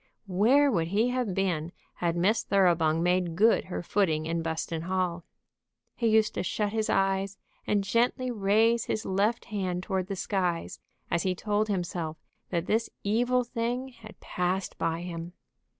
Where would he have been had Miss Thoroughbung made good her footing in Buston Hall? He used to shut his eyes and gently raise his left hand toward the skies as he told himself that this evil thing had passed by him.